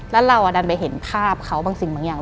แล้วเราดันไปเห็นภาพเขาบางสิ่งบางอย่าง